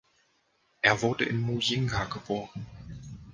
Er wurde in Muyinga geboren.